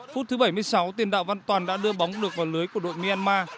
phút thứ bảy mươi sáu tiền đạo văn toàn đã đưa bóng được vào lưới của đội myanmar